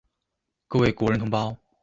各位國人同胞